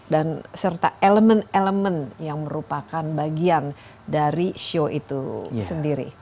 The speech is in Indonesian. dan serta elemen elemen yang merupakan bagian dari sio itu sendiri